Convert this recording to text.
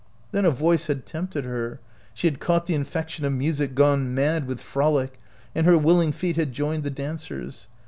Then a voice had tempted her ; she had caught the infection of music gone mad with frolic, and her will ing feet had joined the dancers.